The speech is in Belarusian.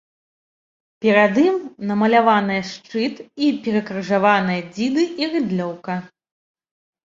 Перад ім намаляваныя шчыт і перакрыжаваныя дзіды і рыдлёўка.